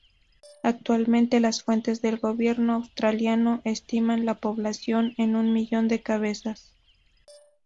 Actualmente, las fuentes del gobierno australiano estiman la población en un millón de cabezas.